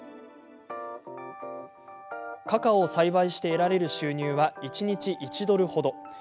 カカオを栽培して得られる収入は一日１ドルほど。